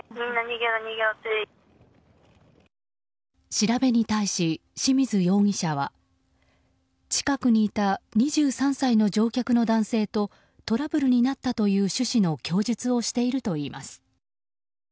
調べに対し、清水容疑者は近くにいた２３歳の乗客の男性とトラブルになったという趣旨の供述をしているといいます。